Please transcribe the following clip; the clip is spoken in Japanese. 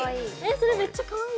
それ、めっちゃかわいい。